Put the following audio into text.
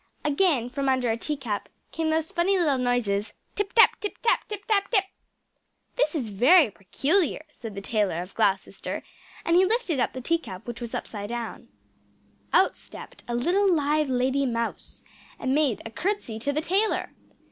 Again from under a tea cup, came those funny little noises Tip tap, tip tap, Tip tap tip! "This is very peculiar," said the Tailor of Gloucester; and he lifted up the tea cup which was upside down. Out stepped a little live lady mouse, and made a curtsey to the tailor!